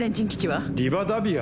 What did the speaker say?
リバダビア？